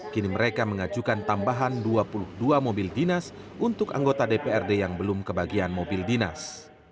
kini mereka mengajukan tambahan dua puluh dua mobil dinas untuk anggota dprd yang belum kebagian mobil dinas